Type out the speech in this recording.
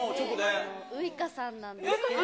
ウイカさんなんですけど。